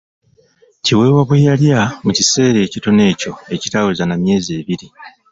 Kiweewa bwe yalya, mu kiseera ekitono ekyo ekitaaweza na myezi ebiri.